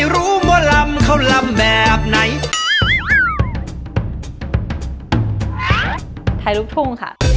ไม่รู้หมอลำเขารำแบบไหน